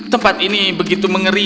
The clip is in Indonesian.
tempat ini begitu mengerikan